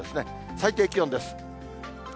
最低気温です。